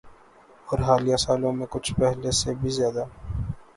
اورحالیہ سالوں میں کچھ پہلے سے بھی زیادہ۔